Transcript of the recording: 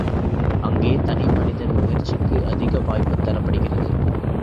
அங்கே தனி மனிதன் முயற்சிக்கு அதிக வாய்ப்புத் தரப்படுகிறது.